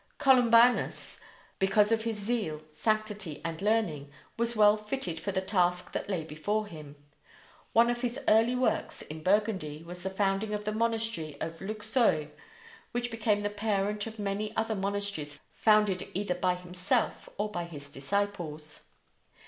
Columbanus, because of his zeal, sanctity, and learning, was well fitted for the task that lay before him. One of his early works in Burgundy was the founding of the monastery of Luxeuil, which became the parent of many other monasteries founded either by himself or by his disciples.